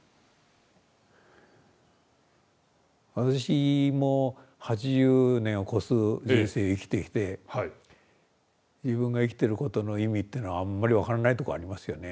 私も８０年を越す人生を生きてきて自分が生きてることの意味っていうのはあんまり分からないところありますよね。